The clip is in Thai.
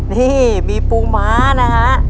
นี่มีปูม้านะฮะ